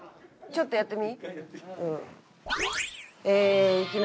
ちょっと待って。